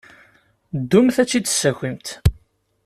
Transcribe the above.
Ddumt ad tt-id-tessakimt.